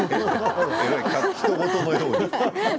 ひと事のように。